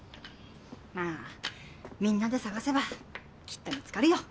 まあみんなで探せばきっと見つかるよ。